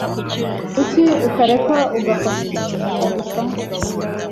Kuki utareka agufasha gusa?